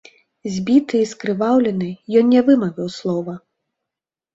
Збіты і скрываўлены, ён не вымавіў слова.